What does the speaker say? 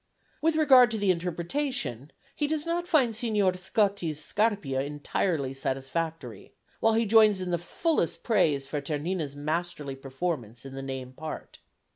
With regard to the interpretation, he does not find Signor Scotti's Scarpia entirely satisfactory, while he joins in the fullest praise for Ternina's masterly performance in the name part.